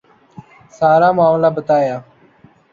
سارا معاملہ بتایا۔